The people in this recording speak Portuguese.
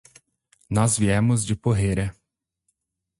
Nós viemos de Porrera.